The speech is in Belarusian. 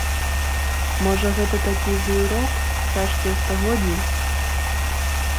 Можа, гэта такі злы рок, цяжкія стагоддзі?